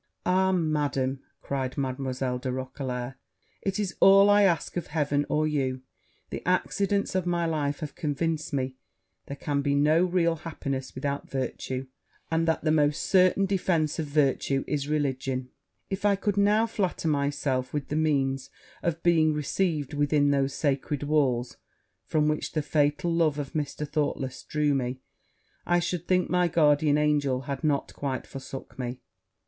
'Ah, Madam,' cried Mademoiselle de Roquelair, 'it is all I ask of Heaven, or you; the accidents of my life have convinced me there can be no real happiness without virtue, and that the most certain defence of virtue is religion: if I could now flatter myself with the means of being received within those sacred walls, from which the fatal love of Mr. Thoughtless drew me, I should think my guardian angel had not quite forsook me.'